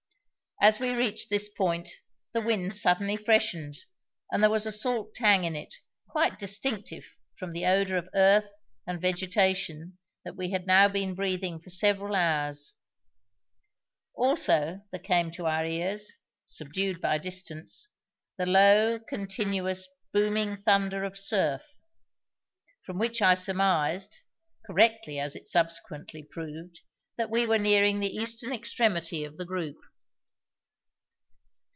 As we reached this point the wind suddenly freshened, and there was a salt tang in it quite distinctive from the odour of earth and vegetation that we had now been breathing for several hours; also there came to our ears, subdued by distance, the low, continuous booming thunder of surf, from which I surmised correctly as it subsequently proved that we were nearing the eastern extremity of the group.